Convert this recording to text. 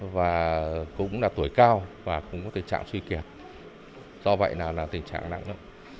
và cũng là tuổi cao và cũng có tình trạng suy kiệt do vậy là tình trạng nặng lắm